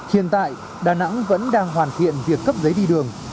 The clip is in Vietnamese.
hiện tại đà nẵng vẫn đang hoàn thiện việc cấp giấy đi đường